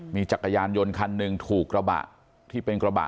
มีจักรยานยนต์คันหนึ่งถูกกระบะที่เป็นกระบะ